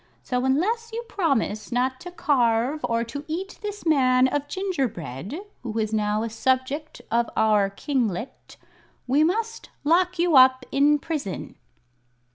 So, unless you promise not to carve or to eat this man of gingerbread, who is now a subject of our kinglet, we must lock you up in prison."